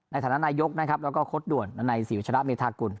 ในฐานะนายกนะครับแล้วก็คดด่วนนันไนสี่วิชาระเมธากุล